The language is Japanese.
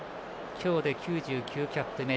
今日で９９キャップ目。